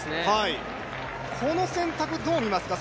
この選択、どう見ますか。